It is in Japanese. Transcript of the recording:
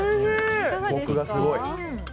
コクがすごい。